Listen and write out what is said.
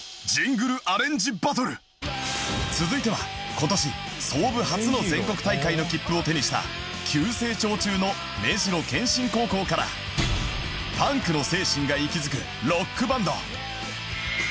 続いては今年創部初の全国大会の切符を手にした急成長中の目白研心高校からパンクの精神が息づくロックバンド